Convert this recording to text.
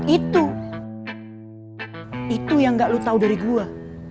itu itu yang gak lu tahu dari gua